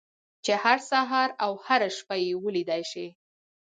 چې هر سهار او هره شپه يې وليدلای شئ.